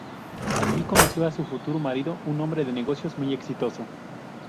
Allí conoció a su futuro marido, un hombre de negocios muy exitoso.